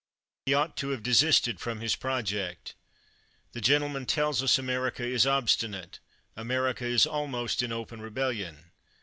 He ought to have desisted from his project. The gentleman tells us, America is obstinate; America is almost in open rebellion.